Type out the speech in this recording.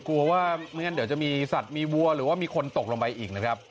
กลัวว่าไม่งั้นเดี๋ยวจะมีสัตว์มีวัวหรือว่ามีคนตกลงไปอีกนะครับ